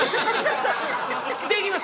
できます！